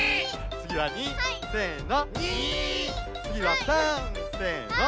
つぎは５せの！